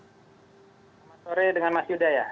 selamat sore dengan mas yuda ya